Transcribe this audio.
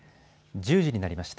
１０時になりました。